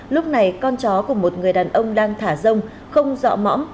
lúc này con chó của một người đàn ông đang thả rông không dọa mõm